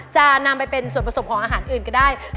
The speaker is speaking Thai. จะนำไปเป็นส่วนผสมของอาหารอื่นก็ได้